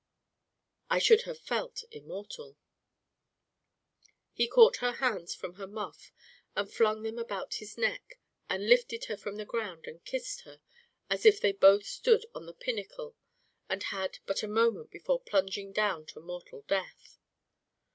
"I should have felt immortal." He caught her hands from her muff and flung them about his neck and lifted her from the ground and kissed her as if they both stood on the pinnacle and had but a moment before plunging down to mortal death.